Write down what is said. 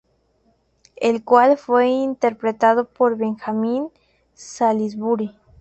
El cual fue interpretado por Benjamin Salisbury.